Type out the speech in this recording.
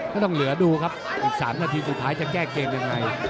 ต้องเหลือดูครับอีก๓นาทีสุดท้ายจะแก้เกมยังไง